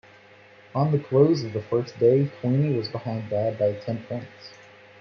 On the close of the first day Queenie was behind Dod by ten points.